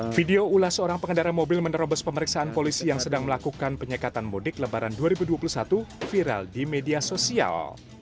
video ulas seorang pengendara mobil menerobos pemeriksaan polisi yang sedang melakukan penyekatan mudik lebaran dua ribu dua puluh satu viral di media sosial